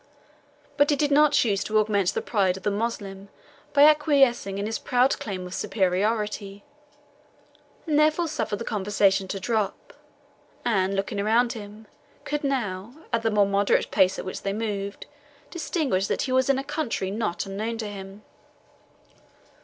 But he did not choose to augment the pride of the Moslem by acquiescing in his proud claim of superiority, and therefore suffered the conversation to drop, and, looking around him, could now, at the more moderate pace at which they moved, distinguish that he was in a country not unknown to him.